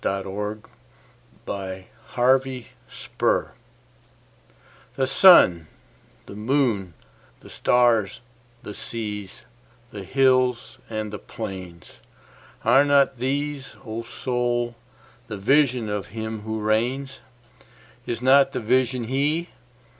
The Higher Pantheism THE SUN, the moon, the stars, the seas, the hills and the plains—Are not these, O Soul, the Vision of Him who reigns? Is not the Vision He?